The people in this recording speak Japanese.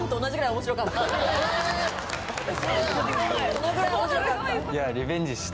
そのぐらい面白かった。